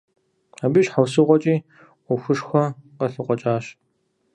Абы и щхьэусыгъуэкӀи Ӏуэхушхуэ къылъыкъуэкӀащ.